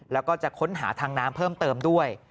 แล้วก็จะค้นหาทางน้ำเพิ่มเติมด้วย